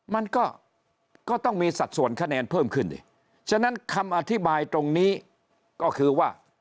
มันก็ต้องมีสัดส่วนคะแนนเพิ่มขึ้นอีกฉะนั้นคำอธิบายตรงนี้ก็คือว่า